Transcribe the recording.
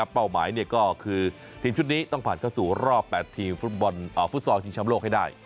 เป้าหมายก็คือทีมชุดนี้ต้องผ่านเข้าสู่รอบ๘ทีมฟุตซอลชิงชำโลกให้ได้